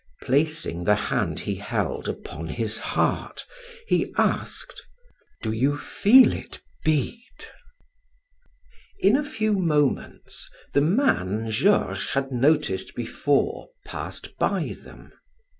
Placing the hand he held upon his heart he asked: "Do you feel it beat?" In a few moments the man Georges had noticed before passed by them.